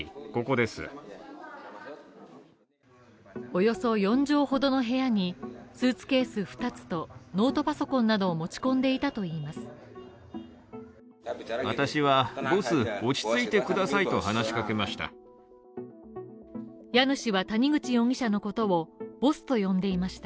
およそ４畳ほどの部屋にスーツケース二つと、ノートパソコンなどを持ち込んでいたといいます。